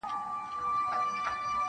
تا پر سرو شونډو پلمې راته اوډلای-